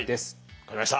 分かりました。